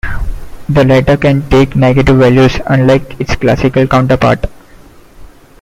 The latter can take negative values, unlike its classical counterpart.